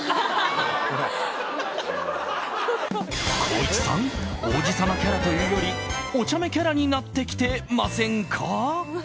光一さん王子様キャラというよりお茶目キャラになってきてませんか？